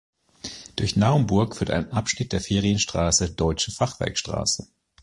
Durch Naumburg führt ein Abschnitt der Ferienstraße Deutsche Fachwerkstraße.